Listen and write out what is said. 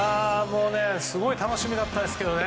すごい楽しみだったですけどね